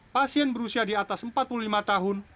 pasien berusia di atas empat puluh lima tahun